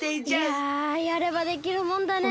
いややればできるもんだねえ。